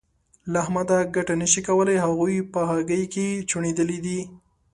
له احمده ګټه نه شې کولای؛ هغه په هګۍ کې چوڼېدلی دی.